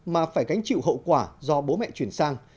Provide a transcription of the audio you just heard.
mà phải gánh chịu hậu quả do bố mẹ chuyển sang